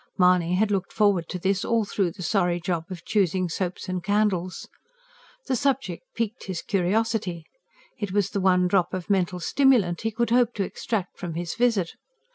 Mahony had looked forward to this all through the sorry job of choosing soaps and candles. The subject piqued his curiosity. It was the one drop of mental stimulant he could hope to extract from his visit.